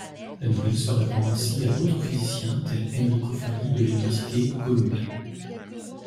La nouvelle se répand ainsi à d'autres physiciens, tel Enrico Fermi de l’Université Columbia.